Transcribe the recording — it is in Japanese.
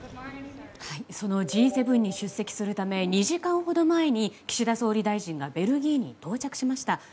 そのＧ７に出席するため２時間ほど前に岸田総理大臣がベルギーに到着しました。